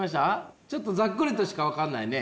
ちょっとざっくりとしか分かんないね。